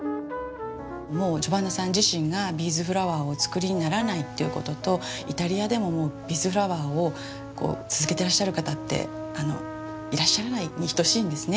もうジョバンナさん自身がビーズフラワーをお作りにならないということとイタリアでももうビーズフラワーを続けていらっしゃる方っていらっしゃらないに等しいんですね。